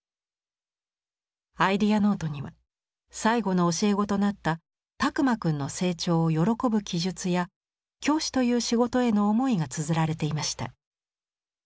アイデアノートには最後の教え子となった拓万くんの成長を喜ぶ記述や教師という仕事への思いがつづられていました。